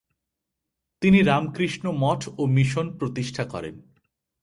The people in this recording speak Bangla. তিনি রামকৃষ্ণ মঠ ও মিশন প্রতিষ্ঠা করেন।